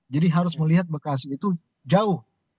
jadi harus melihat bekasi itu jauh